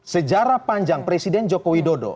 sejarah panjang presiden jokowi dodo